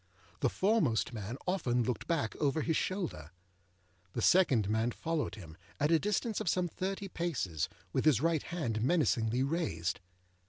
The foremost man often looked back over his shoulder. The second man followed him, at a distance of some thirty paces, with his right hand menacingly raised.